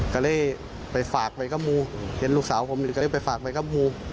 ก็เลยไปฝากไว้กับมูเห็นลูกสาวผมนี่ก็เลยไปฝากไว้กับมู